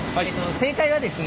正解はですね